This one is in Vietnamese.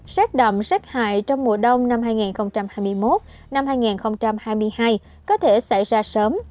xét đậm xét hại trong mùa đông năm hai nghìn hai mươi một hai nghìn hai mươi hai có thể xảy ra sớm